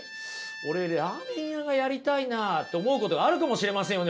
俺ラーメン屋がやりたいなと思うことがあるかもしれませんよね